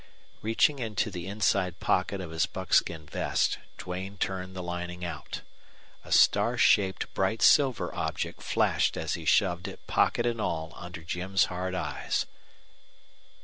Reaching into the inside pocket of his buckskin vest, Duane turned the lining out. A star shaped bright silver object flashed as he shoved it, pocket and all, under Jim's hard eyes.